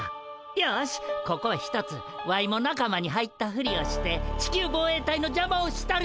よしここはひとつワイも仲間に入ったふりをして地球防衛隊のじゃまをしたるで。